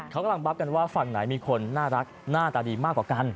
เขากำลังบับกันว่าฝั่งไหนมีคนน่ารักหน้าตาดีมากกว่ากัน